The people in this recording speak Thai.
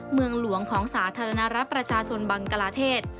เมืองหลวงของสาธารณรัฐประชาชนบังกลาเทศ